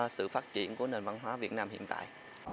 sự phát triển của nền văn hóa việt nam hiện tại